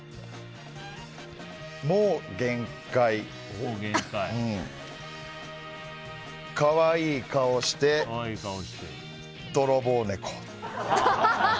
「もう、限界かわいい顔して泥棒猫」。